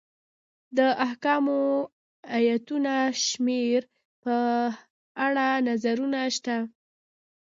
د احکامو ایتونو شمېر په اړه نظرونه شته.